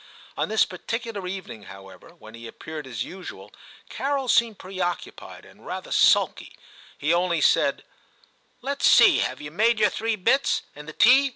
On this particular evening, however, when he appeared as usual, Carol seemed preoccupied, and rather sulky ; he only said, * Let's see, have you made your three bits, and the tea?